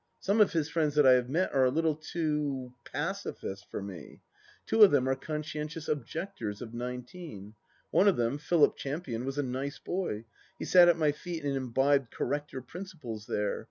Some of his friends that I have met are a little too — ^Pacifist for me ! Two of them are conscientious objectors, of nine teen. One of them, Philip Champion, was a nice laoy. He sat at my feet and imbibed corrector principles there.